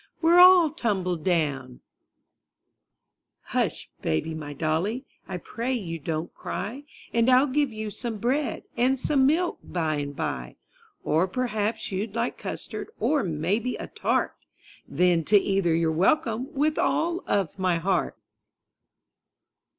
We're all tumbled down pjUSH, baby, my dolly, I pray you don't cry, And I'll give you some bread, and some milk by and by, Or perhaps you like custard, or, maybe, a tart. Then to either you're welcome, with all of my heart.